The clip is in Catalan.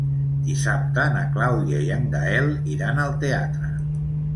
Dissabte na Clàudia i en Gaël iran al teatre.